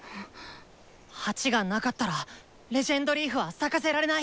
鉢がなかったら「レジェンドリーフ」は咲かせられない！